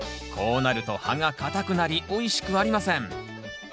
こうなると葉が硬くなりおいしくありません。